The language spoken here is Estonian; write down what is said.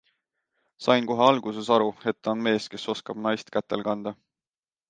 Sain kohe alguses aru, et ta on mees, kes oskab naist kätel kanda.